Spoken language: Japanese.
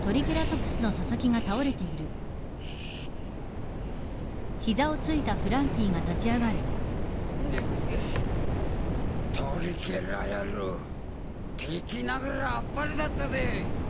トリケラ野郎敵ながらあっぱれだったぜ。